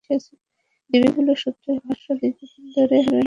DB police সূত্রের ভাষ্য, দীর্ঘদিন ধরে হেরোইনের ব্যবসা করে আসছিল হবি।